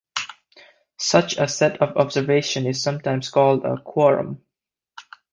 Such a set of observations is sometimes called a quorum.